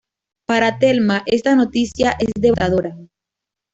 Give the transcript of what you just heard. Para Thelma esta noticia es devastadora.